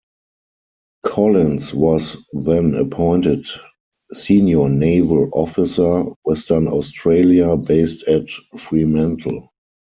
Collins was then appointed Senior Naval Officer, Western Australia, based at Fremantle.